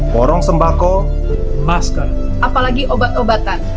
porong sembako masker apalagi obat obatan